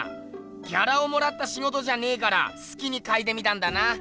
ギャラをもらったしごとじゃねえからすきにかいてみたんだな。